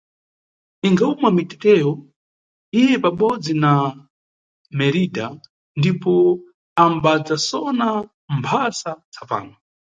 Ingawuma miteteyo, iye pabodzi na Meridha ndipo ambadzasona mphasa tsapano.